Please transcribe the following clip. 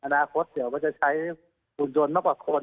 อนาคตเดี๋ยวว่าจะใช้หุ่นยนต์มากกว่าคน